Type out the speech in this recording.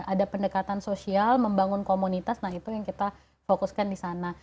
ada pendekatan sosial membangun komunitas nah itu yang kita fokuskan di sana